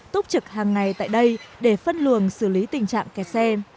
túc trực hàng ngày tại đây để phân luồng xử lý tình trạng kẹt xe